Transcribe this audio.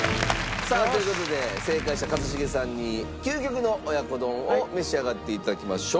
さあという事で正解した一茂さんに究極の親子丼を召し上がって頂きましょう。